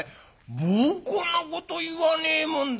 「バカなこと言わねえもんだ」。